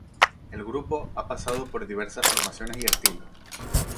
El grupo ha pasado por diversas formaciones y estilos.